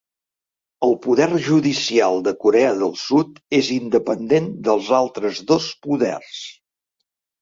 El poder judicial de Corea del Sud és independent dels altres dos poders.